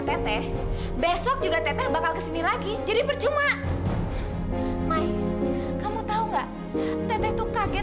teteh besok juga teteh bakal kesini lagi jadi percuma mai kamu tahu enggak teteh tuh kaget